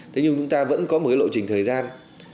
thế nhưng chúng ta vẫn có một cái lộ trình thời gian